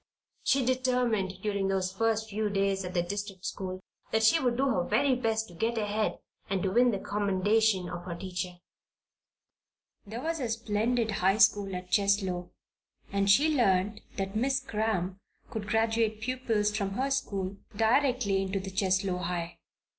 She determined, during those first few days at the district school, that she would do her very best to get ahead and to win the commendation of her teacher. There was a splendid high school at Cheslow, and she learned that Miss Cramp could graduate pupils from her school directly into the Cheslow High.